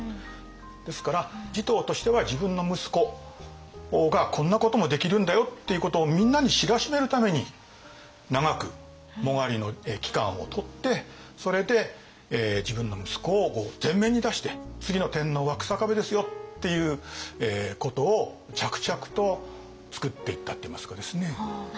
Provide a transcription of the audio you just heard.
ですから持統としては自分の息子がこんなこともできるんだよっていうことをみんなに知らしめるために長く殯の期間をとってそれで自分の息子を前面に出して次の天皇は草壁ですよっていうことを着々とつくっていったといいますかですね。